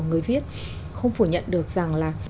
người viết không phủ nhận được rằng là